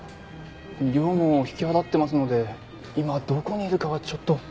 業務を引き払ってますので今どこにいるかはちょっと。